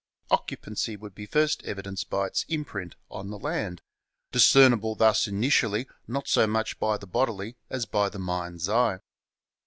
Occupancy would be first evidenced by its imprint on the land; discernible thus initially not so much by the bodily as by the mind's eye.